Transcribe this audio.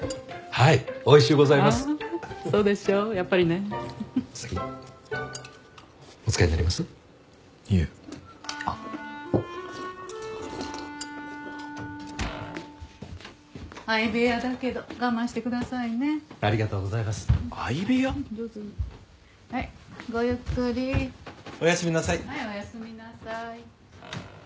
はいおやすみなさい。